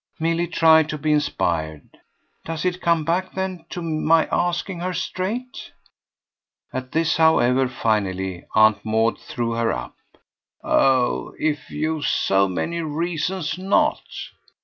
Milly tried to be inspired. "Does it come back then to my asking her straight?" At this, however, finally, Aunt Maud threw her up. "Oh if you've so many reasons not